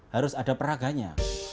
harus ada peraganya